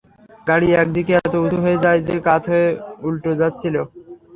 গাড়ি এক দিকে এত উঁচু হয়ে যায় যে, কাত হয়ে উল্টে যাচ্ছিল।